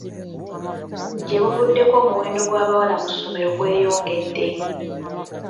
Gye buvuddeko omuwendo gw'abawala mu ssomero gweyongedde.